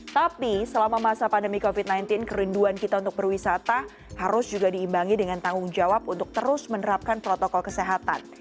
tapi selama masa pandemi covid sembilan belas kerinduan kita untuk berwisata harus juga diimbangi dengan tanggung jawab untuk terus menerapkan protokol kesehatan